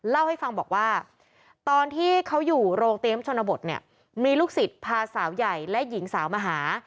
เล่าให้ฟังบอกว่าตอนที่เขาอยู่โรงเตรียมชนบทเนี่ยมีลูกศิษย์พาสาวใหญ่และหญิงสาวมาหา